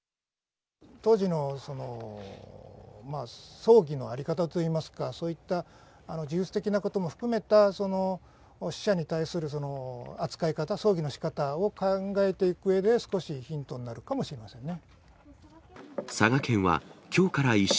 当時の葬儀の在り方といいますか、そういった呪術的なことも含めた死者に対する扱い方、葬儀のしかたを考えていくうえで、少しヒントになるかもしれませんね。